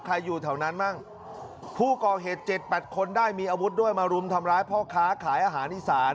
อยู่แถวนั้นบ้างผู้ก่อเหตุเจ็ดแปดคนได้มีอาวุธด้วยมารุมทำร้ายพ่อค้าขายอาหารอีสาน